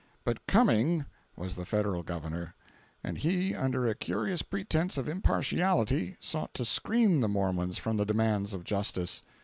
But Cumming was the Federal Governor, and he, under a curious pretense of impartiality, sought to screen the Mormons from the demands of justice.